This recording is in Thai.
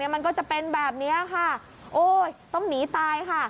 มันก็จะเป็นแบบนี้ค่ะโอ้ยต้องหนีตายค่ะ